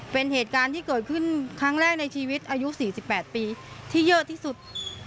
เป็นเหตุการณ์ที่เกิดขึ้นครั้งแรกในชีวิตอายุ๔๘ปีที่เยอะที่สุด